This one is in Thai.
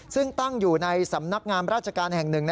ซึ่งตั้งอยู่ในสำนักงามราชการแห่งหนึ่ง